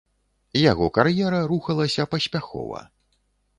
Яго кар'ера рухалася паспяхова.